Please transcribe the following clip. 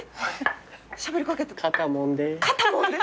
「肩もんで」？